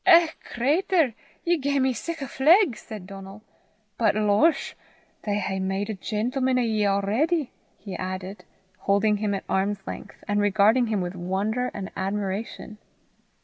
"Eh, cratur! ye gae me sic a fleg!" said Donal. "But, losh! they hae made a gentleman o' ye a'ready!" he added, holding him at arm's length, and regarding him with wonder and admiration.